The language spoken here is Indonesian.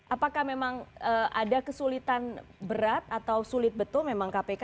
apakah memang ada kesulitan berat atau sulit betul memang kpk